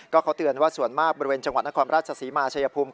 เขาเตือนว่าส่วนมากบริเวณจังหวัดนครราชศรีมาชายภูมิ